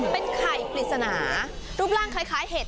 เป็นไข่ปริศนารูปร่างคล้ายเห็ด